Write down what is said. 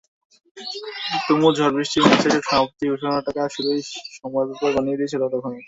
তুমুল ঝড়বৃষ্টি ম্যাচের সমাপ্তি ঘোষণাটাকে শুধুই সময়ের ব্যাপার বানিয়ে দিয়েছিল তখনই।